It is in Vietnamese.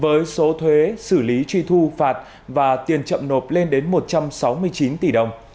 với số thuế xử lý truy thu phạt và tiền chậm nộp lên đến một trăm sáu mươi chín tỷ đồng